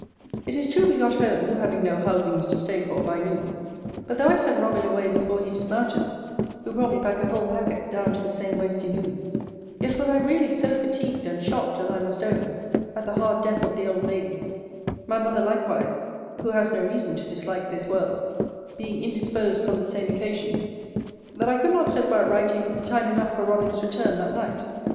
It is true, we got home (having no housings to stay for) by noon: but though I sent Robin away before he dismounted, (who brought me back a whole packet, down to the same Wednesday noon,) yet was I really so fatigued, and shocked, as I must own, at the hard death of the old lady; my mother likewise (who has no reason to dislike this world) being indisposed from the same occasion; that I could not set about writing time enough for Robin's return that night.